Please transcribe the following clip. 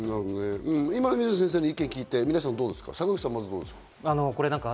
今の意見を聞いて坂口さん、どうですか？